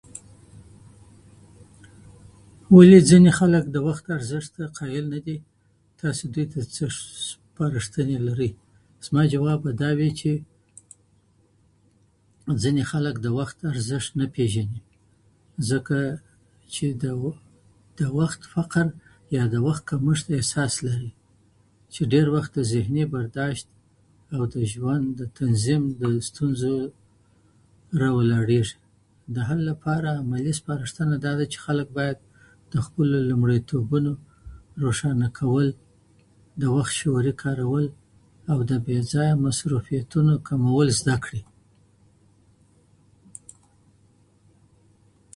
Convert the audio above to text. ولې ځينې خلک د وخت د ارزشت ته قایل نه دي؟ تاسو دوی ته څه سپارشتنې لرئ؟ زما ځواب به دا وي چې ځينې خلک د وخت ارزشت نه پيژني، ځکه چې د و وخت فقد یا د وخت کمشت احساس لري، چې ډېر وخت د ذهني برداشت او د ژوند د تنظیم د ستونزو راولاړېژي. د حل لپاره عملي سپارشتنه دا ده چې خلک باید لومړيتوبونو روشانه کول، د وخت شعوري کارول، او د بې ځایه مصروفيتونو کمول زده کړي.